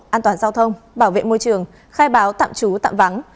an toàn giao thông bảo vệ môi trường khai báo tạm trú tạm vắng